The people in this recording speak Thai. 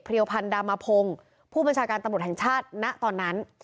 พันดามพงศ์ผู้บัญชาการตำรวจแห่งชาติณตอนนั้น